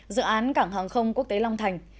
dự án cảng hàng không quốc tế long thành